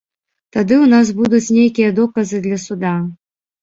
Тады ў нас будуць нейкія доказы для суда.